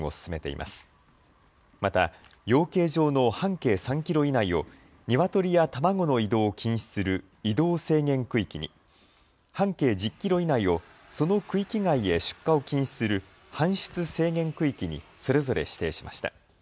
また養鶏場の半径３キロ以内をニワトリや卵の移動を禁止する移動制限区域に、半径１０キロ以内をその区域外へ出荷を禁止する搬出制限区域にそれぞれ指定しました。